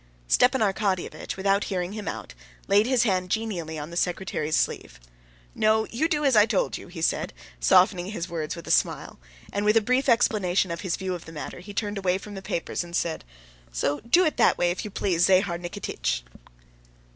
Stepan Arkadyevitch, without hearing him out, laid his hand genially on the secretary's sleeve. "No, you do as I told you," he said, softening his words with a smile, and with a brief explanation of his view of the matter he turned away from the papers, and said: "So do it that way, if you please, Zahar Nikititch."